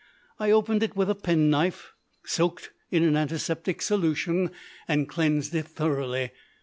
I opened it with a penknife soaked in an antiseptic solution, and cleansed it thoroughly.